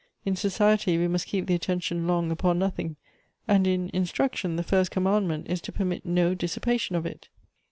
In society we must keep the attention long upon nothing, and in instruction the first commandment is to permit no dissipation of it."